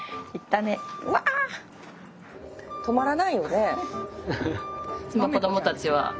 止まらないよね。